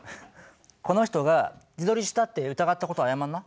この人が自撮りしたって疑ったこと謝んな。